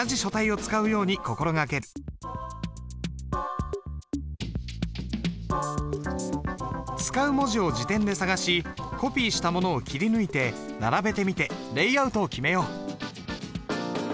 使う文字を字典で探しコピーしたものを切り抜いて並べてみてレイアウトを決めよう。